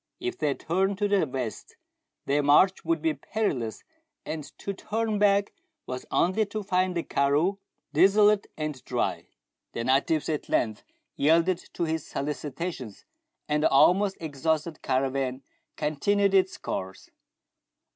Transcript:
If they turned to the west, their march would be perilous, and to turn back was only to find the karroo desolate and dry. The natives at length yielded to his solicitations, and the almost exhausted caravan continued its course.